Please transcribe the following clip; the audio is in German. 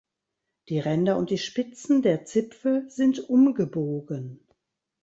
Die Ränder und die Spitzen der Zipfel sind umgebogen.